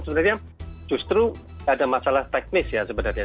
sebenarnya justru ada masalah teknis ya sebenarnya